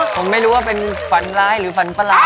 ผมไม่รู้ว่าเป็นฝันร้ายหรือฝันประหลาด